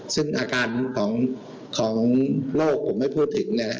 ซึ่งอาการของโรคผมไม่พูดถึง